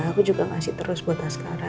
aku juga ngasih terus buat sekarang